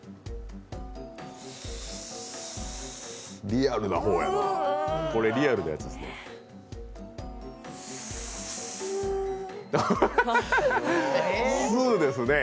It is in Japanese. リアルな方や、これ、リアルなやつですね。